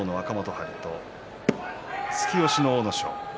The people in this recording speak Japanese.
春と突き押しの阿武咲。